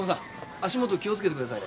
足元気をつけてくださいね。